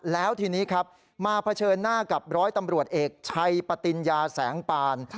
แล้วทีนี้ครับมาเผชิญหน้ากับร้อยตำรวจเอกชัยปติญญาแสงปาน